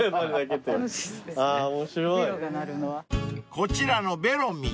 ［こちらのベロミン。